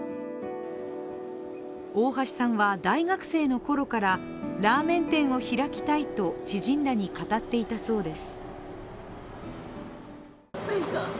大橋さんは大学生のころからラーメン店を開きたいと知人らに語っていたそうです。